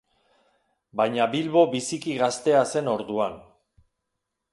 Baina Bilbo biziki gaztea zen orduan.